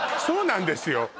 そうなんですよ